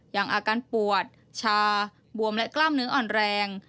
อย่างอาการปวดชาบวมและกล้ามเนื้ออ่อนแรง